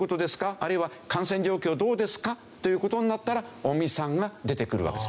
あるいは「感染状況どうですか？」という事になったら尾身さんが出てくるわけです。